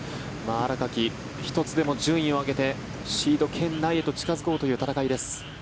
新垣、１つでも順位を上げてシード圏内へと近付こうという戦いです。